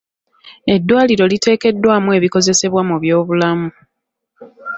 Eddwaliro liteekeddwamu ebikozesebwa mu byobulamu.